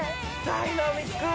ダイナミック！